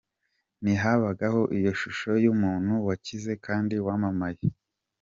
Ntihabagaho iyo shusho y’umuntu wakize kandi wamamaye.